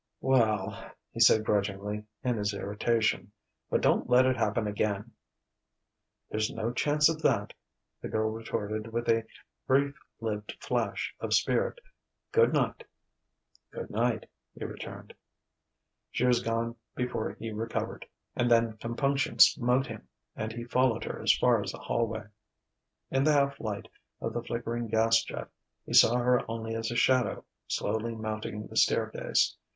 "Well ..." he said grudgingly, in his irritation. "But don't let it happen again." "There's no chance of that," the girl retorted with a brief lived flash of spirit. "Good night." "Good night," he returned. She was gone before he recovered; and then compunction smote him, and he followed her as far as the hallway. In the half light of the flickering gas jet, he saw her only as a shadow slowly mounting the staircase.